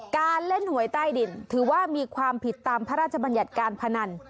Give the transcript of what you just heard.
การเล่นหวยใต้ดินถือว่ามีความผิดตามพระราชบัญญัติการพนัน